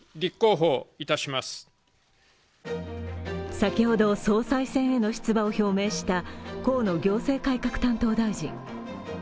先ほど総裁選への出馬を表明した河野行政改革担当大臣。